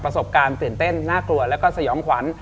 ประสบการณ์ตื่นเต้นน่ากลัวก็สยองขวัญ